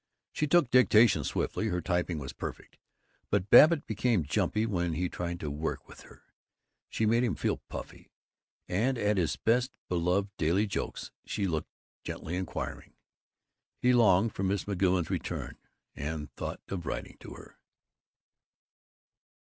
She took dictation swiftly, her typing was perfect, but Babbitt became jumpy when he tried to work with her. She made him feel puffy, and at his best beloved daily jokes she looked gently inquiring. He longed for Miss McGoun's return, and thought of writing to her.